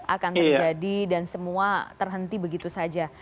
akan terjadi dan semua terhenti begitu saja